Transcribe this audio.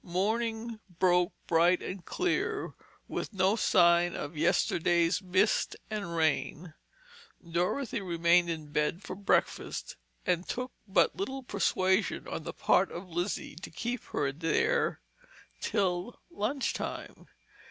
Morning broke bright and clear with no sign of yesterday's mist and rain. Dorothy remained in bed for breakfast and it took but little persuasion on the part of Lizzie to keep her there till lunch time.